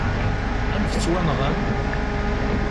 Amek ttwanɣan?